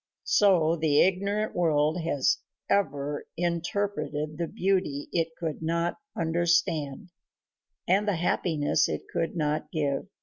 So the ignorant world has ever interpreted the beauty it could not understand, and the happiness it could not give.